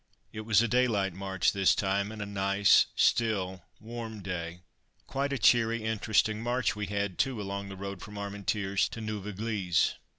It was a daylight march this time, and a nice, still, warm day. Quite a cheery, interesting march we had, too, along the road from Armentières to Neuve Eglise.